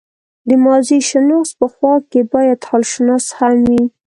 د ماضيشناس په خوا کې بايد حالشناس هم وي.